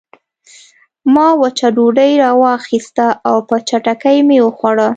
ما وچه ډوډۍ راواخیسته او په چټکۍ مې وخوړه